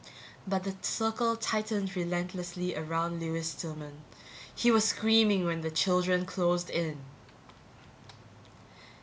But the circle tightened relentlessly around Lewis Stillman. He was screaming when the children closed in.